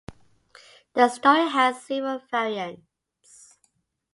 The story has several variants.